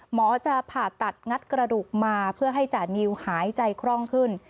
หมอจะผ่าตัดงัดกระดูกมาเพื่อให้จานิวหายใจคล่องขึ้น